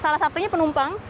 salah satunya penumpang